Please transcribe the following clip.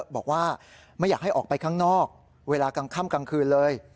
บอกว่าไม่อยากให้ออกไปข้างนอกเวลากลางค่ำกลางคืนเลย